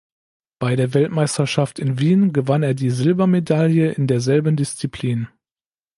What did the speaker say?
Bei der Weltmeisterschaft in Wien gewann er die Silbermedaille in derselben Disziplin.